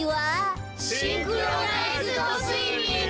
シンクロナイズドスイミング。